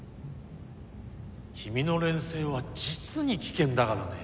君の錬成は実に危険だからね